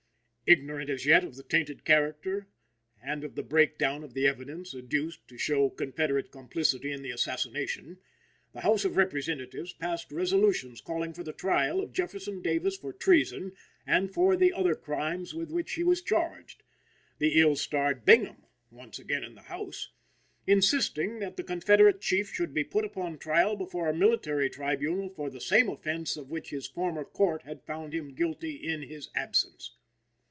Ignorant as yet of the tainted character and of the break down of the evidence adduced to show Confederate complicity in the assassination, the House of Representatives passed resolutions calling for the trial of Jefferson Davis for treason and for the other crimes with which he was charged; the ill starred Bingham, once again in the House, insisting that the Confederate Chief should be put upon trial before a military tribunal for the same offense of which his former court had found him guilty in his absence.